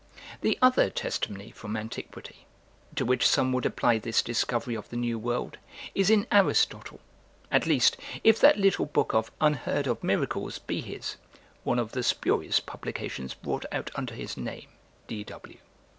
The other testimony from antiquity, to which some would apply this discovery of the New World, is in Aristotle; at least, if that little book of Unheard of Miracles be his [one of the spurious publications brought out under his name D.W.